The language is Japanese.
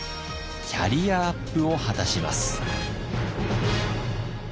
キャリアアップを果たします。